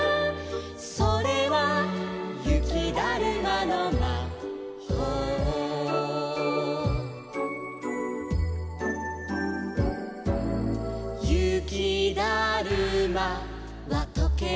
「それはゆきだるまのまほう」「ゆきだるまはとけるとき」